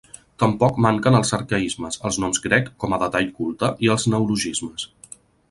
Tampoc manquen els arcaismes, els noms grec com a detall culte i els neologismes.